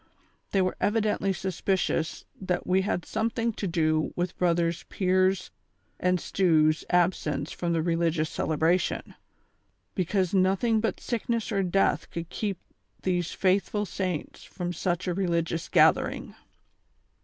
They were evidently suspicious that we had something to do with brothers Pier's and Stew's absence from the religious celebration ; because notliing but sickness or death could keep these faithful saints from such a religious gathering.